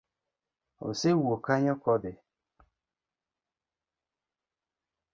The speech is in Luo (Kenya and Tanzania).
Osewuok kanyo kodhi?